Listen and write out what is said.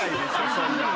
そんなの。